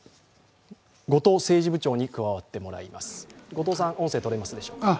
後藤政治部長に加わってもらいます。